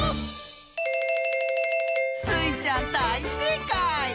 スイちゃんだいせいかい！